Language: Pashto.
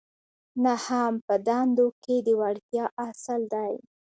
نهم په دندو کې د وړتیا اصل دی.